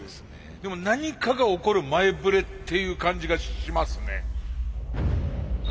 でも何かが起こる前触れっていう感じがしますね。